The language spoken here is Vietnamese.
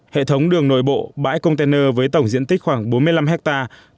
hệ thống đường nội bộ bãi container với tổng diện tích khoảng bốn mươi năm hectare